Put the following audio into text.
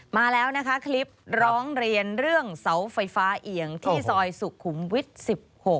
มาแล้วนะคะคลิปร้องเรียนเรื่องเสาไฟฟ้าเอียงที่ซอยสุขุมวิทย์๑๖